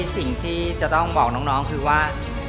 สิ่งที่จะต้องบอกน้องคือว่า